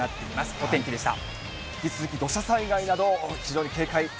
お天気でした。